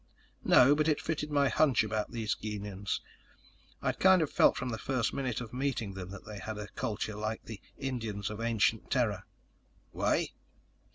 "No. But it fitted my hunch about these Gienahns. I'd kind of felt from the first minute of meeting them that they had a culture like the Indians of ancient Terra." "Why?"